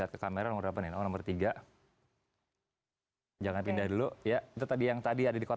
lihat ke kamera mendapat weetong nomor tiga hai jangan pindah dulu ya pindah tadi yang tadi ada di